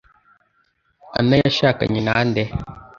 Anna Yashakanye na nde?